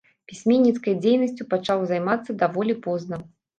Пісьменніцкай дзейнасцю пачаў займацца даволі позна.